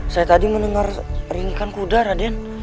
saya tadi mendengar ringgikan kuda raden